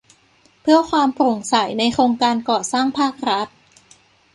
เพื่อความโปร่งใสในโครงการก่อสร้างภาครัฐ